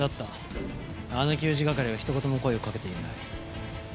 あの給仕係はひと言も声をかけていない。